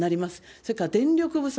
それから電力不足。